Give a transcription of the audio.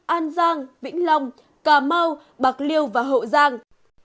an giang vĩnh long cà mau bạc liêu và hậu giang